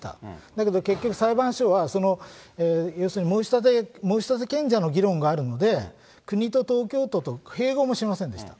だけど結局、裁判所はその要するに申し立て権者の議論があるので、国と東京都、併合もしませんでした。